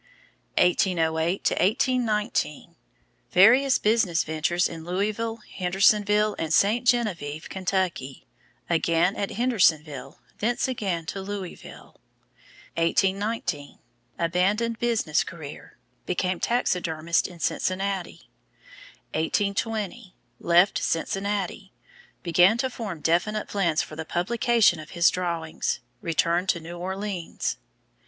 1808 1819 Various business ventures in Louisville, Hendersonville, and St. Geneviève, Kentucky, again at Hendersonville, thence again to Louisville. 1819 Abandoned business career. Became taxidermist in Cincinnati. 1820 Left Cincinnati. Began to form definite plans for the publication of his drawings. Returned to New Orleans.